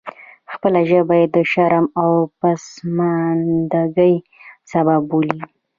خپله ژبه یې د شرم او پسماندګۍ سبب بولي.